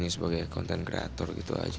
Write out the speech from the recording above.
kita sebagai content kreator gitu aja